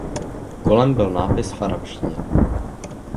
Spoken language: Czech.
Kolem byl nápis v arabštině.